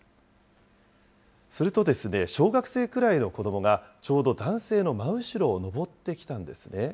するとですね、小学生くらいの子どもがちょうど男性の真後ろを上ってきたんですね。